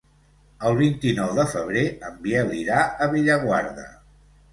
El vint-i-nou de febrer en Biel irà a Bellaguarda.